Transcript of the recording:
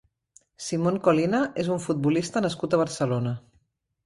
Simón Colina és un futbolista nascut a Barcelona.